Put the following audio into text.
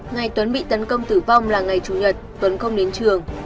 ngày tuấn bị tấn công tử vong là ngày chủ nhật tuấn không đến trường